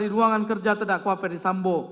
ruangan kerja tdakwa ferdisambo